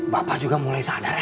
bapak juga mulai sadar